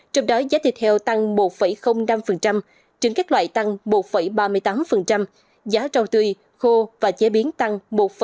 trong đó giá thịt heo tăng một năm trứng các loại tăng một ba mươi tám giá rau tươi khô và chế biến tăng một hai mươi ba